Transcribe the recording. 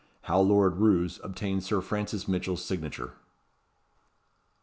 How Lord Roos obtained Sir Francis Mitchell's signature.